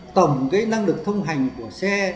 tổng cái năng lực thông hành của xe